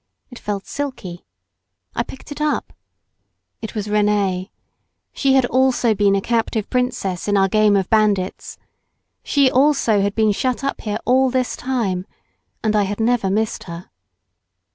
It felt silky, I picked it up. It was Rénee. She also had been a captive princess in our game of bandits. She also had been shut up here all this time, and I had never missed her!